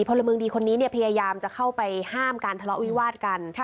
พลเมืองดีคนนี้พยายามจะเข้าไปห้ามการทะเลาะวิวาดกัน